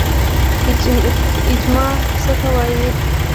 اجماع څه ته وایي؟